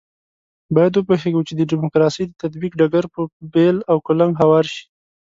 باید وپوهېږو چې د ډیموکراسۍ د تطبیق ډګر په بېل او کلنګ هوار شي.